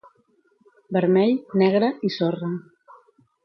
Vermell, negre i sorra.